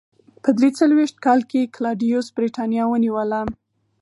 په درې څلوېښت کال کې کلاډیوس برېټانیا ونیوله.